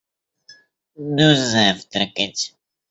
Ну, завтракать.